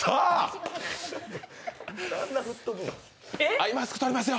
アイマスク取りますよ。